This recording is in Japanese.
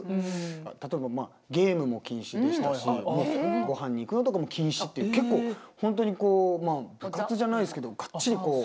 例えばまあゲームも禁止でしたしごはんに行くのとかも禁止って結構本当にこう部活じゃないですけどかっちりこう。